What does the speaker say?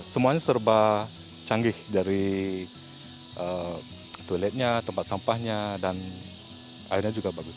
semuanya serba canggih dari toiletnya tempat sampahnya dan airnya juga bagus